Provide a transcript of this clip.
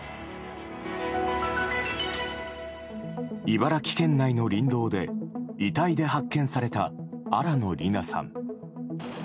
茨城県内の林道で遺体で発見された新野りなさん。